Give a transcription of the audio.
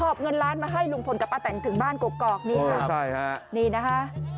อบเงินล้านมาให้ลุงพลกับป้าแตนถึงบ้านกกอกนี่ค่ะใช่ฮะนี่นะคะ